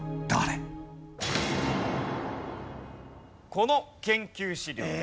この研究資料です。